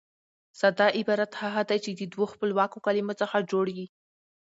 ساده عبارت هغه دئ، چي د دوو خپلواکو کلیمو څخه جوړ يي.